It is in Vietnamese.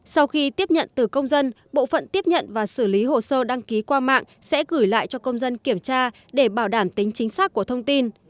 sau khi tiếp nhận từ công dân bộ phận tiếp nhận và xử lý hồ sơ đăng ký qua mạng sẽ gửi lại cho công dân kiểm tra để bảo đảm tính chính xác của thông tin